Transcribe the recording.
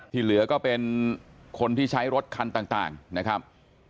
เหลือก็เป็นคนที่ใช้รถคันต่างนะครับ